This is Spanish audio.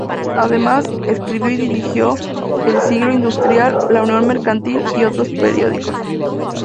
Además, escribió y dirigió "El Siglo Industrial", "La Unión Mercantil", y otros periódicos.